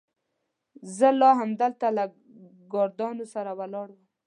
زه لا همدلته له ګاردانو سره ولاړ وم.